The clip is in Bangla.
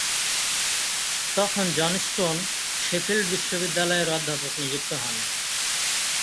তখন জনস্টন শেফিল্ড বিশ্ববিদ্যালয়ের অধ্যাপক নিযুক্ত হন।